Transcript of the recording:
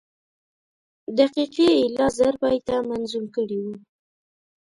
دقیقي ایله زر بیته منظوم کړي وو.